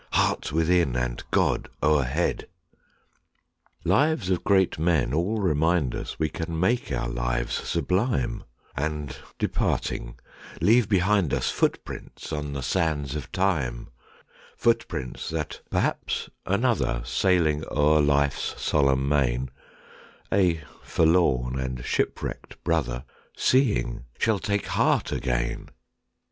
Heart within, and God o'erhead! Lives of great men all remind us We can make our lives sublime, And, departing, leave behind us Footprints on the sands of time;— Footprints, that perhaps another, Sailing o'er life's solemn main, A forlorn and shipwrecked brother, Seeing, shall take heart again.